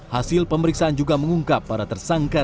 hasil pemeriksaan juga mengungkap para tersangka